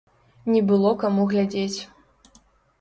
Не было каму глядзець.